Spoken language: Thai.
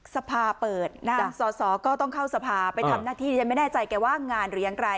สภาเปิดนะสอสอก็ต้องเข้าสภาไปทำหน้าที่ฉันไม่แน่ใจแกว่างงานหรือยังไร